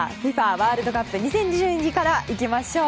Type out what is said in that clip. ワールドカップ２０２２からいきましょう。